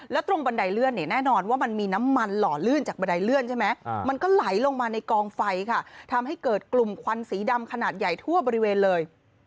แล้วตรงบันไดเลื่อนเนี่ยแน่นอนว่ามันมีน้ำมันหล่อลื่นจากบันไดเลื่อนใช่ไหมมันก็ไหลลงมาในกองไฟค่ะทำให้เกิดกลุ่มควันสีดำขนาดใหญ่ทั่วบริเวณเลย